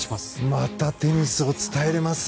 またテニスを伝えられます！